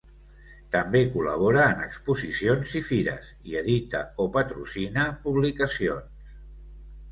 També col·labora en exposicions i fires i edita o patrocina publicacions.